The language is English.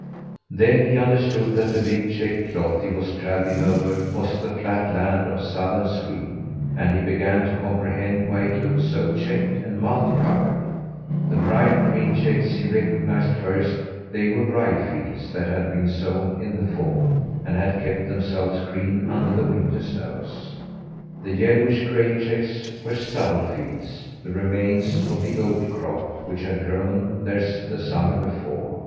Then he understood that the big, checked cloth he was travelling over was the flat land of southern Sweden; and he began to comprehend why it looked so checked and multi coloured. The bright green checks he recognised first; they were rye fields that had been sown in the fall, and had kept themselves green under the winter snows. The yellowish gray checks were stubble fields the remains of the oat crop which had grown there the summer before.